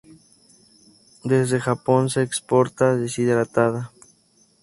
Desde Japón se exporta deshidratada.